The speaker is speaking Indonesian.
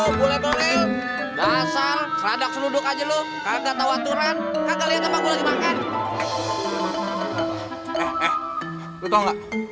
lu boleh boleh dasar seladak seluduk aja lu karena tawaturan kalian apa gue makan